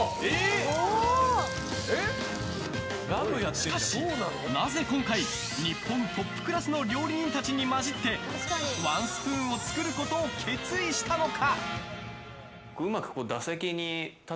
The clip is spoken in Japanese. しかし、なぜ今回日本トップクラスの料理人たちに交じってワンスプーンを作ることを決意したのか。